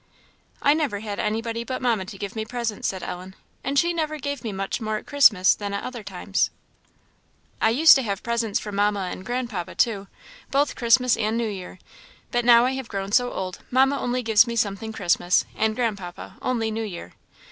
"I never had anybody but Mamma to give me presents," said Ellen, "and she never gave me much more at Christmas than at other times." "I used to have presents from Mamma and Grandpapa, too, both Christmas and New Year, but now I have grown so old, Mamma only gives me something Christmas and Grandpapa only New Year.